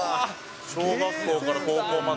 小学校から高校まで。